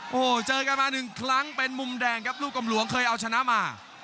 โอ้โหเจอกันมาหนึ่งครั้งเป็นมุมแดงครับลูกกำหลวงเคยเอาชนะมา